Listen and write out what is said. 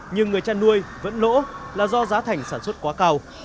nhưng người chăn nuôi vẫn lỗ là do giá thành sản xuất quá cao